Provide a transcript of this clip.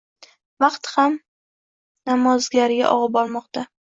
Vaqt ham namozidigarga og‘ib bormoqda